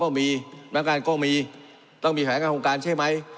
พนักงานก็มีต้องมีแผนการโครงการใช่ไหม